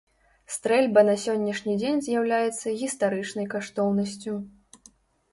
Стрэльба на сённяшні дзень з'яўляецца гістарычнай каштоўнасцю.